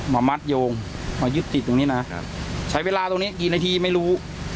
มัดโยงมายึดติดตรงนี้นะครับใช้เวลาตรงนี้กี่นาทีไม่รู้